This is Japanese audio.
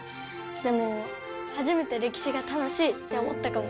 でもはじめてれきしが楽しいって思ったかも！